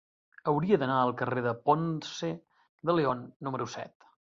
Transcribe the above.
Hauria d'anar al carrer de Ponce de León número set.